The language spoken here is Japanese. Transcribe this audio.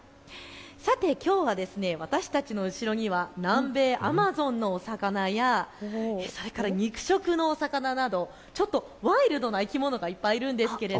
さてきょうは私たちの後ろには南米アマゾンの魚やそれから肉食のお魚などちょっとワイルドな生き物がいっぱいいるんです。